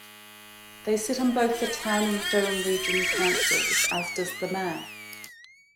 They sit on both the Town and Durham Region Councils, as does the mayor.